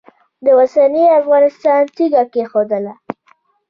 د اوسني افغانستان تیږه کښېښودله.